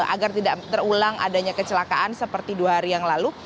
agar tidak terulang adanya kecelakaan seperti dua hari yang lalu